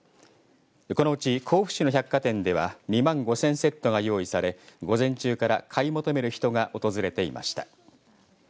このうち甲府市の百貨店では２万５０００セットが用意され午前中から買い求める人が訪れていました。